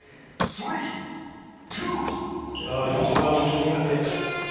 さあ、吉澤の挑戦です。